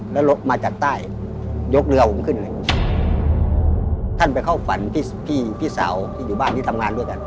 แล้วรถมาจากใต้ยกเรือผมขึ้นหนึ่งท่านไปเข้าฝันพี่พี่สาวที่อยู่บ้านที่ทำงานด้วยกัน